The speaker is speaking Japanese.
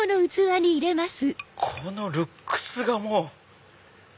このルックスがもう！